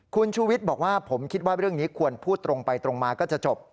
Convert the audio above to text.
คุณชูวิทย์บอกว่าผมคิดว่าเรื่องนี้ควรพูดตรงไปตรงมาก็จะจบ